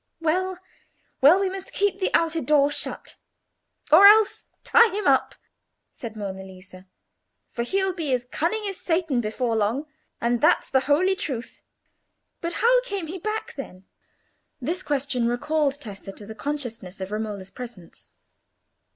"Well, well, we must keep the outer door shut, or else tie him up," said Monna Lisa, "for he'll be as cunning as Satan before long, and that's the holy truth. But how came he back, then?" This question recalled Tessa to the consciousness of Romola's presence.